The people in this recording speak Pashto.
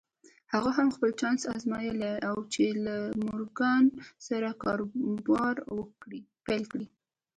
هغه هم خپل چانس ازمايلی و چې له مورګان سره کاروبار پيل کړي.